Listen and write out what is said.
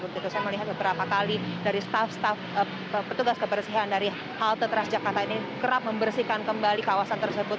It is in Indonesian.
begitu saya melihat beberapa kali dari staff staff petugas kebersihan dari halte transjakarta ini kerap membersihkan kembali kawasan tersebut